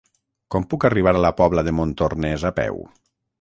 Com puc arribar a la Pobla de Montornès a peu?